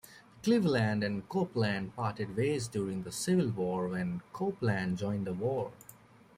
Cleveland and Copeland parted ways during the Civil War when Copeland joined the war.